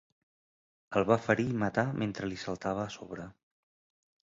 El va ferir i matar mentre li saltava a sobre.